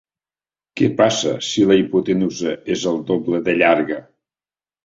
Què passa si la hipotenusa és el doble de llarga?